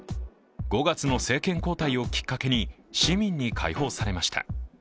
５月の政権交代をきっかけに市民に開放されました。